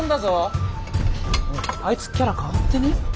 あいつキャラ変わってね？